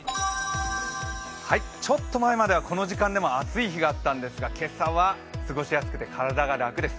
ちょっと前まではこの時間でも暑い日があったんですが、今朝は過ごしやすくて、体が楽です。